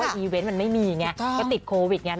เพราะว่าเอเว้นต์มันไม่มีไงก็ติดโควิดใช่มั้ย